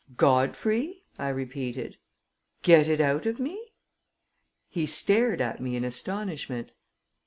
"Godfrey?" I repeated. "Get it out of me?" He stared at me in astonishment.